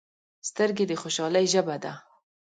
سترګې د خوشحالۍ ژبه ده